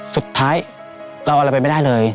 สุดท้ายเราเอาอะไรไปไม่ได้เลย